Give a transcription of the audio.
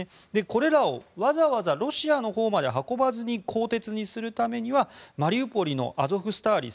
これらを、わざわざロシアのほうまで運ばずに鋼鉄にするためにはマリウポリのアゾフスターリ